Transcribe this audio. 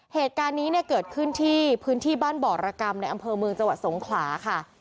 เหตุการณ์นี้เนี่ยเกิดขึ้นที่พื้นที่บ้านบ่อรกรรมในอำเภอเมืองจังหวัดสงขลาค่ะ